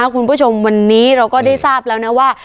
คุณผู้ชมวันนี้เราก็ได้ทราบแล้วนะว่า